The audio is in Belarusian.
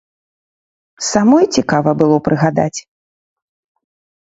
Самой цікава было прыгадаць.